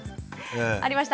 ありました。